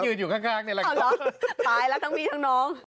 เอาเหรอตายแล้วทั้งพี่ทั้งน้อง